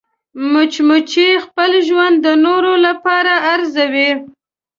مچمچۍ خپل ژوند د نورو لپاره ارزوي